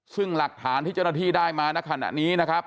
ซึ่งหลักฐานที่เจ้าหน้าที่ได้มาณขณะนี้นะครับ